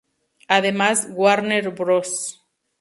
Además, Warner Bros.